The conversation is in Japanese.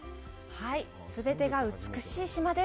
全てが美しい島です。